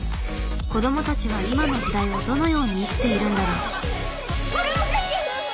子どもたちは今の時代をどのように生きているんだろう。